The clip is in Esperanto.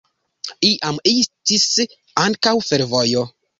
Iam estis ankaŭ fervojo.